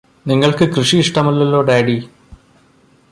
നിങ്ങള്ക്ക് കൃഷി ഇഷ്ടമല്ലല്ലോ ഡാഡി